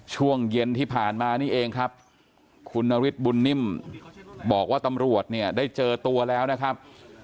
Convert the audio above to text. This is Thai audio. ช่วงเย็นที่ผ่านมานี่เองครับคุณนฤทธิบุญนิ่มบอกว่าตำรวจเนี่ยได้เจอตัวแล้วนะครับ